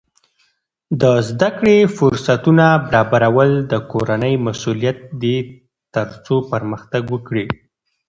د زده کړې فرصتونه برابرول د کورنۍ مسؤلیت دی ترڅو پرمختګ وکړي.